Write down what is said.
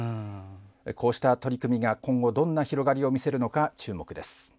こうした取り組みが今後どんな広がりを見せるのか注目です。